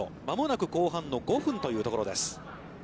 間もなく後半の５分というところです。